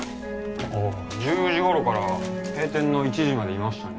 ああ１０時頃から閉店の１時までいましたね